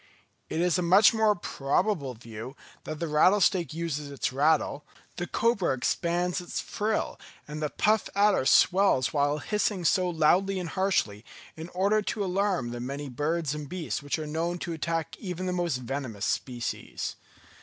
It is a much more probable view that the rattlesnake uses its rattle, the cobra expands its frill and the puff adder swells while hissing so loudly and harshly, in order to alarm the many birds and beasts which are known to attack even the most venomous species.